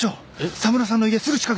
澤村さんの家すぐ近くですから。